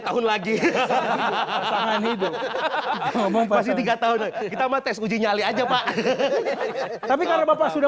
tahun lagi hahaha hidup ngomong pasti tiga tahun kita mah tes uji nyali aja pak tapi karena bapak sudah